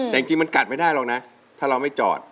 แต่จริงมันกัดไม่ได้หรอกนะถ้าเราไม่จอด